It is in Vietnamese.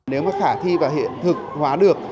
nếu mà khả thi và hiện thực hóa được